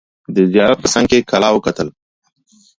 د زیارت په څنګ کې کلا وکتل.